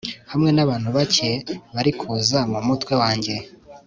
hamwe nabantu bake bari kuza Mu mutwe wanjye